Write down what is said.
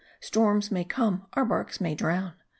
Storms may come, our barks may drown.